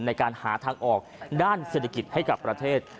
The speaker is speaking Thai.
ในการหาทางออกด้านเศรษฐกิจให้กับประเทศ